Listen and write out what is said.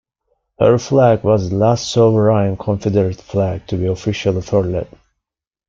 Her flag was the last sovereign Confederate flag to be officially furled.